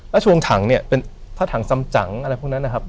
ราชวงศ์ถังเนี่ยเป็นพระถังสำจังอะไรพวกนั้นนะครับ